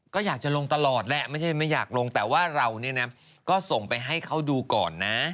ก็อยากจะลงตลอดแหละไม่ใช่ไม่อยากลงแต่ว่าเราเนี่ยนะก็ส่งไปให้เขาดูก่อนนะ